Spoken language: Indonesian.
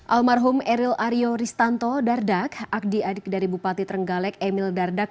almarhum eril aryo ristanto dardak akdi adik dari bupati trenggalek emil dardak